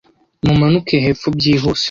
Mumanuke hepfo byihuse.